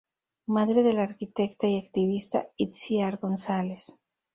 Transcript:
Madre de la arquitecta y activista Itziar González.